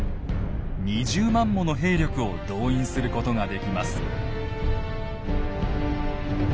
２０万もの兵力を動員することができます。